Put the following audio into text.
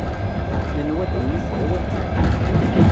Nenwa ddunit d awal kan.